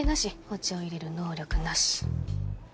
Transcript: お茶を淹れる能力なし。